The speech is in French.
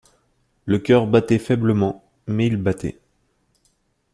Le cœur battait faiblement, mais il battait.